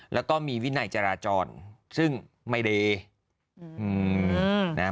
แล้วก็มีวินัยจราจรซึ่งไม่ได้